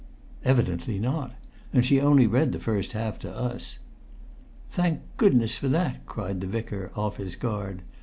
"Evidently not. And she only read the first half to us." "Thank goodness for that!" cried the Vicar, off his guard.